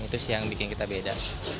itu sih yang bikin kita beda